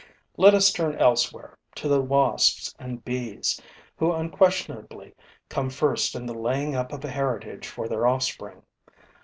Let us turn elsewhere, to the wasps and bees, who unquestionably come first in the laying up of a heritage for their offspring.